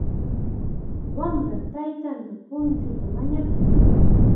Wamra taytanta punchuta mañakun.